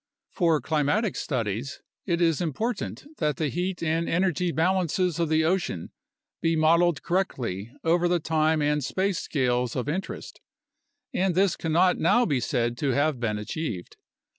For climatic studies, it is important that the heat and energy balances of the ocean be modeled correctly over the time and space scales of interest, and this cannot now be said to have been achieved.